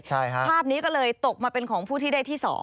ใช่ค่ะภาพนี้ก็เลยตกมาเป็นของผู้ที่ได้ที่สอง